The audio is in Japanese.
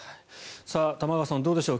玉川さん、どうでしょう。